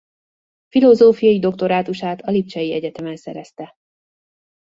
Filozófiai doktorátusát a lipcsei egyetemen szerezte.